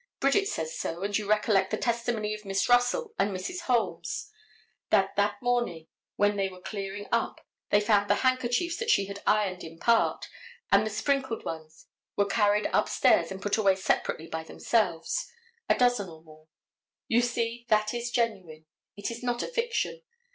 Bridget says so and you recollect the testimony of Miss Russell and Mrs. Holmes, that that morning when they were clearing up they found the handkerchiefs that she had ironed in part, and the sprinkled ones were carried upstairs and put away separately by themselves, a dozen or more. You see that it is genuine; it is not a fiction.